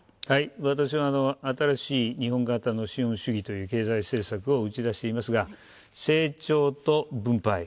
私は新しい日本型の資本主義という経済政策を打ち出しますが、成長と分配。